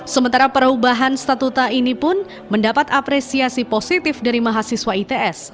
sementara perubahan statuta ini pun mendapat apresiasi positif dari mahasiswa its